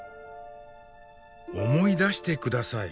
思い出して下さい。